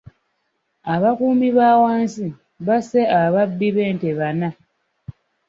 Abakuumi ba wansi basse ababbi b'ente bana.